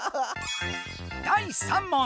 第３問。